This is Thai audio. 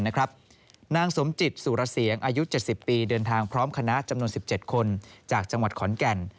นางสมจิตสุรเสียงอายุ๗๐ปีเดินทางพร้อมคณะจำนวน๑๗คนจากจังหวัดขอนแก่น